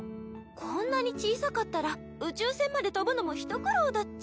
こんなに小さかったら宇宙船まで飛ぶのも一苦労だっちゃ。